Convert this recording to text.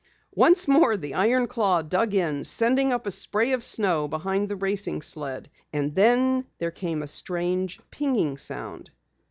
Once more the iron claw dug in, sending up a spray of snow behind the racing sled. And then there came a strange, pinging sound.